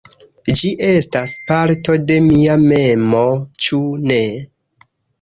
Ĝi estas parto de mia memo, ĉu ne?